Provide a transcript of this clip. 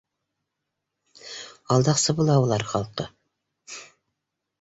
Алдаҡсы була улар халҡы